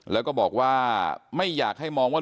แล้วก็บอกว่าไม่อยากให้มองว่า